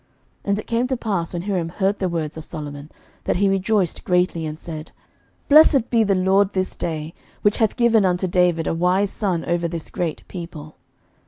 11:005:007 And it came to pass, when Hiram heard the words of Solomon, that he rejoiced greatly, and said, Blessed be the LORD this day, which hath given unto David a wise son over this great people.